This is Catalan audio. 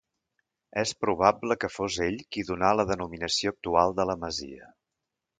És probable que fos ell qui donà la denominació actual de la masia.